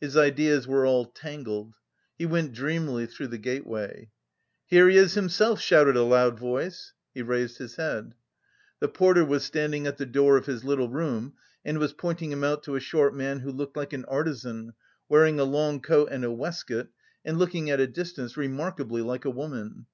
His ideas were all tangled. He went dreamily through the gateway. "Here he is himself," shouted a loud voice. He raised his head. The porter was standing at the door of his little room and was pointing him out to a short man who looked like an artisan, wearing a long coat and a waistcoat, and looking at a distance remarkably like a woman.